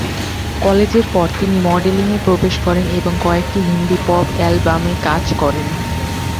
কলেজের পরে তিনি মডেলিংয়ে প্রবেশ করেন এবং কয়েকটি হিন্দি পপ অ্যালবামে কাজ করেন।